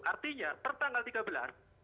artinya per tanggal tiga belas